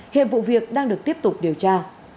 hiệp vụ việc đang được tiếp tục điều tra